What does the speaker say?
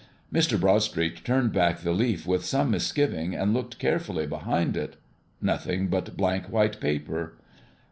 Mr. Broadstreet turned back the leaf with some misgiving, and looked carefully behind it. Nothing but blank white paper.